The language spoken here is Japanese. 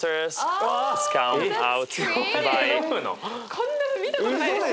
こんなの見たことないですよ。